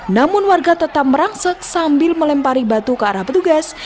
namun warga tetap merangsek sambil melempari batu ke arah petugas